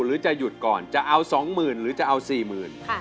หรือจะหยุดก่อนจะเอา๒หมื่นหรือจะเอา๔หมื่น